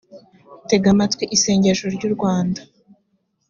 tega amatwi isengesho u ry u rwanda